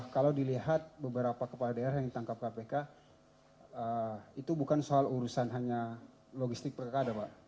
kalau dilihat beberapa kepala daerah yang ditangkap kpk itu bukan soal urusan hanya logistik pilkada pak